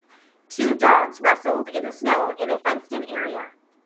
Two dogs wrestle in the snow in a fencedin area.